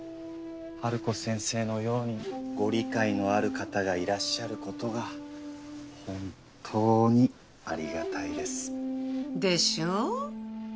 ハルコ先生のようにご理解のある方がいらっしゃることが本当にありがたいです。でしょう？